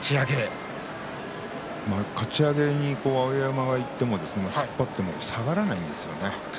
碧山がかち上げにいっても突っ張っても下がらないんですね。